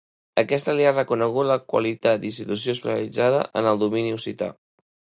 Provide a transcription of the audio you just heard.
Aquesta li ha reconegut la qualitat d'institució especialitzada en el domini occità.